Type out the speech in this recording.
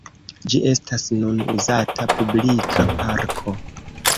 Ĝi estas nun uzata publika parko.